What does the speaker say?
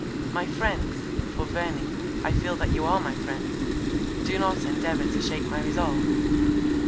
My friends, for Verney, I feel that you are my friend, do not endeavour to shake my resolve.